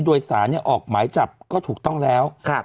โดยสารเนี่ยออกหมายจับก็ถูกต้องแล้ว